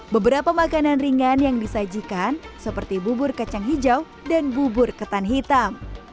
beberapa makanan ringan yang disajikan seperti bubur kacang hijau dan bubur ketan hitam